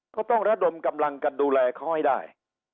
ก็ต้องระดมกำลังกันดูแลเขาให้ได้